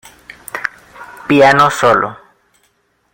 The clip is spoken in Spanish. Piano Solo